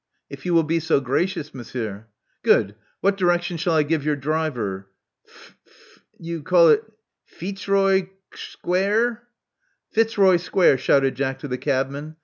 If you will be so gracious. Monsieur." "Good. What direction shall I give your driver? F — f — you call it Feetzroysquerre?" '*Fitzroy Square," shouted Jack to the cabman.